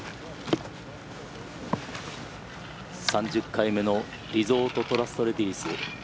３０回目のリゾートトラストレディス。